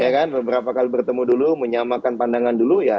ya kan beberapa kali bertemu dulu menyamakan pandangan dulu ya